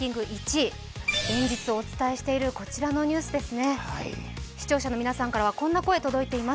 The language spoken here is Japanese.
１位連日お伝えしているこちらのニュースです。